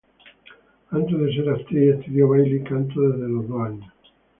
Antes de ser actriz estudió baile y canto desde los dos años.